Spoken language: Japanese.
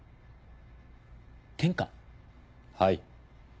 はい。